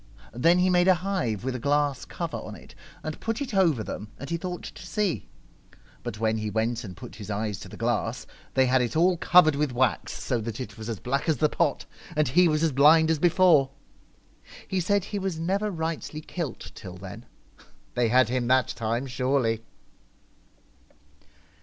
Then he made a hive with a glass cover on it and put it over them, and he thought to see. But when he went and put his eyes to the glass, they had it all covered with wax so that it was as black as the pot ; and he was as blind as before. He said he was never rightly kilt till then. They had him that time surely